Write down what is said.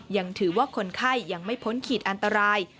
ยังถือว่าคนไข้ยังไม่พ้นขีดอันตราย